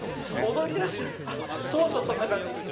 そうそうそんなかんじ。